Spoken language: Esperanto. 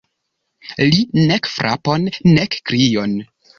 Li: nek frapon, nek krion.